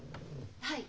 はい。